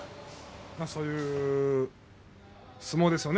そういう相撲ですよね